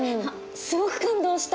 すごく感動した！